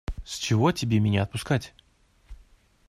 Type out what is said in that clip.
С чего тебе меня отпускать?